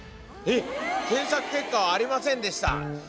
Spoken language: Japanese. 「検索結果はありませんでした」。